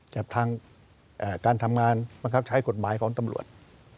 กับทางการทำงานบังคับใช้กฎหมายของตำรวจ